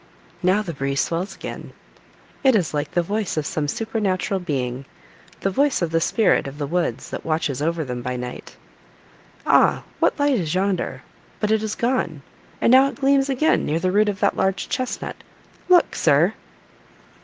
Now the breeze swells again. It is like the voice of some supernatural being—the voice of the spirit of the woods, that watches over them by night. Ah! what light is yonder? But it is gone. And now it gleams again, near the root of that large chestnut: look, sir!"